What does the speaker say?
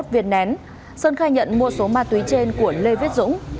bảy mươi một viên nén sơn khai nhận mua số ma túy trên của lê viết dũng